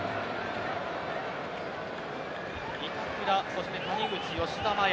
板倉そして谷口、吉田麻也。